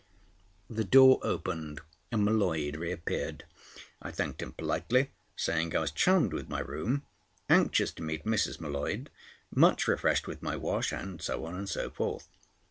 The door opened, and M'Leod reappeared. I thanked him politely, saying I was charmed with my room, anxious to meet Mrs. M'Leod, much refreshed with my wash, and so on and so forth.